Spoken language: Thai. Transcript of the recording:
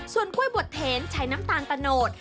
ส่วนกล้วยบดเทนใช้น้ำตาลตะโนด